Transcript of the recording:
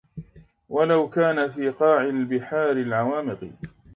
وَلَو كانَ في قاعِ البِحارِ العَوامِقِ